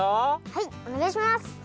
はいおねがいします。